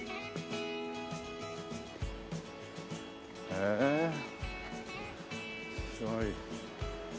へえすごい。